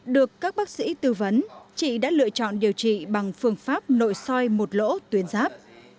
được các bác sĩ tư vấn chị đã lựa chọn điều trị bằng phương pháp nội soi một lỗ tuyến giáp